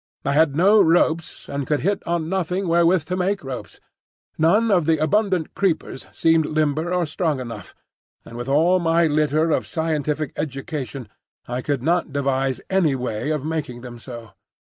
I had no ropes, and could hit on nothing wherewith to make ropes; none of the abundant creepers seemed limber or strong enough, and with all my litter of scientific education I could not devise any way of making them so.